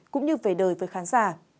cũng như về đời với khán giả